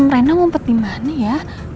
rena mau pet di mana ya